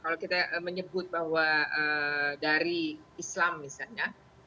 kalau kita menyebut bahwa dari islam misalnya